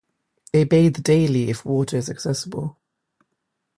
They bathe daily if water is accessible.